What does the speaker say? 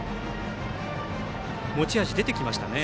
持ち味、出てきましたね。